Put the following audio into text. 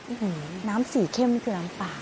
น้ำสีเข้มนี่คือน้ำป่า